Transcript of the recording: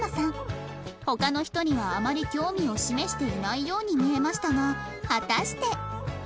他の人にはあまり興味を示していないように見えましたが果たして